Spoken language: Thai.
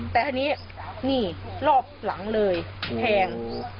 แต่ทีนี้นี่รอบหลังเลยแทง